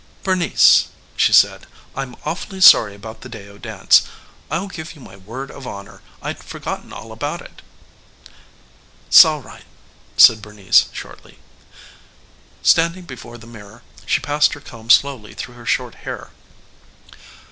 "Bernice," she said "I'm awfully sorry about the Deyo dance. I'll give you my word of honor I'd forgotten all about it." "'Sall right," said Bernice shortly. Standing before the mirror she passed her comb slowly through her short hair.